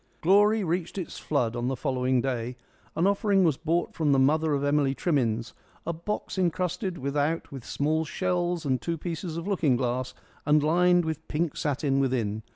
Glory reached its flood on the following day. An offering was brought from the mother of Emily Trimmins a box encrusted without with small shells and two pieces of looking glass and lined with pink satin within.